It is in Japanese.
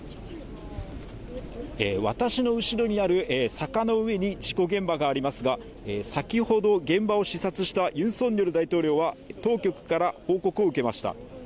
私の後ろにある坂の上に事故現場がありますが先ほど現場を視察したユン・ソンニョル大統領は当局から報告を受けました。